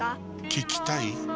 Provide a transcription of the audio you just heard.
聞きたい？